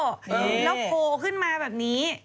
แล้วโผล่ขึ้นมาแบบนี้